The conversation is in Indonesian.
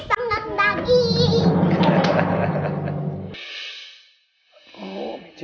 asik pengen lagi